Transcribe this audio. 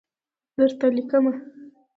درته لیکمه